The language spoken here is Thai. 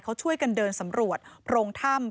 เขาช่วยกันเดินสำรวจโพรงถ้ำ